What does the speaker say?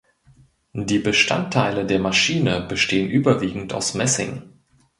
Die Bestandteile der Maschine bestehen überwiegend aus Messing.